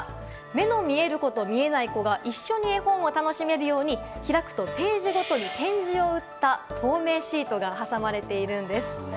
目の見える子と見えない子が一緒に絵本を楽しめるように開くとページごとに点字を打った透明シートが挟まれているんです。